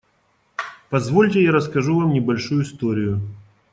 Позвольте, я расскажу вам небольшую историю.